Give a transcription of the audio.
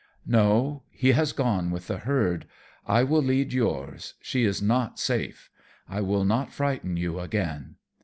"No, he has gone with the herd. I will lead yours, she is not safe. I will not frighten you again."